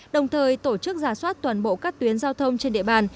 đồng thời tổ chức giả soát toàn bộ các tuyến giao thông trên địa bàn